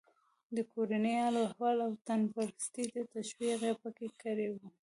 د کورني حال و احوال او وطنپرستۍ ته تشویق یې پکې کړی و.